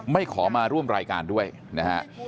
ขอมาร่วมรายการด้วยนะฮะ